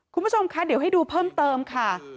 คุณผู้ชมคะเดี๋ยวให้ดูเพิ่มเติมค่ะ